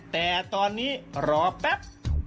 แต่ตอนนี้รอแป๊บ